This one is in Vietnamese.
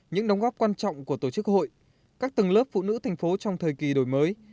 những đóng góp quan trọng của tổ chức hội các tầng lớp phụ nữ thành phố trong thời kỳ đổi mới